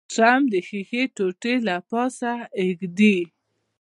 شمع د ښيښې ټوټې له پاسه کیږدئ.